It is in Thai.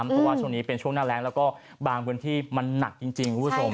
เพราะว่าช่วงนี้เป็นช่วงหน้าแรงแล้วก็บางพื้นที่มันหนักจริงคุณผู้ชม